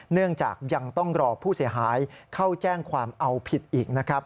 เนื่องจากยังต้องรอผู้เสียหายเข้าแจ้งความเอาผิดอีกนะครับ